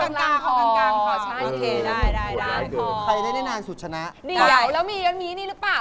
เอากางกางพอ